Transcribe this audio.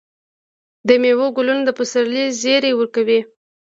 د میوو ګلونه د پسرلي زیری ورکوي.